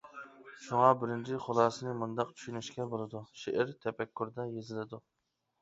شۇڭا، بىرىنچى خۇلاسىنى مۇنداق چۈشىنىشكە بولىدۇ: شېئىر تەپەككۇردا يېزىلىدۇ.